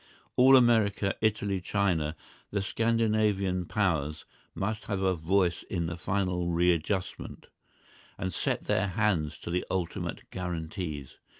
All America, Italy, China, the Scandinavian Powers, must have a voice in the final readjustment, and set their hands to the ultimate guarantees.